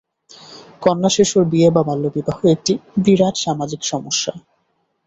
কন্যাশিশুর বিয়ে বা বাল্যবিবাহ একটি বিরাট সামাজিক সমস্যা।